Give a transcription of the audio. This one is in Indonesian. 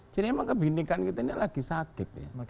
jadi memang kebenekaan kita ini lagi sakit ya